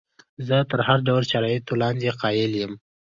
زه تر هر ډول شرایطو لاندې قایل یم.